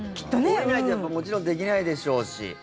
下りないともちろん、できないでしょうし。